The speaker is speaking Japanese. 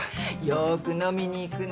よく飲みにいくの。